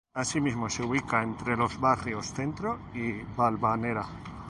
Así mismo se ubica entre los Barrios centro y Valvanera.